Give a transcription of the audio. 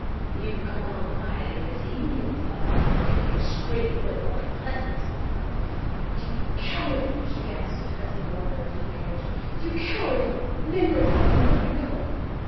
"You come along quietly, missee, an' you'll be all right; but ef yer screams it won't be pleasant." "You coward!" she gasped, as he bore her to the carriage. "You coward! Name your price, and let me go."